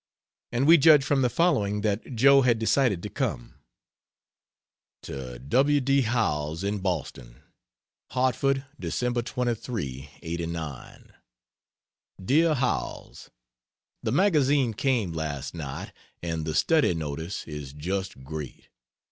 And we judge from the following that Joe had decided to come. To W. D. Howells, in Boston: HARTFORD, Dec. 23, '89. DEAR HOWELLS, The magazine came last night, and the Study notice is just great.